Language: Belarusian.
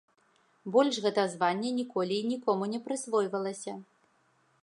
Больш гэта званне ніколі і нікому не прысвойвалася.